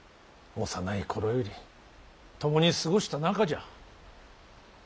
幼い頃より共に過ごした仲じゃ。